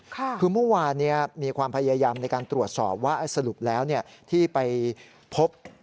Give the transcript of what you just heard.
คือเมื่อวานมีความพยายามในการตรวจสอบว่าสรุปแล้วที่ไปพบ